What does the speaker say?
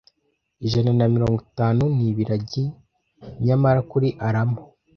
Ijana na mirongo itanu ni ibiragi nyamara kuri Alamo,)